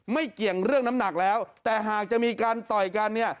เกี่ยงเรื่องน้ำหนักแล้วแต่หากจะมีการต่อยกันเนี่ย